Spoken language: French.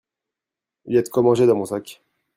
Il y a de quoi manger dans mon sac.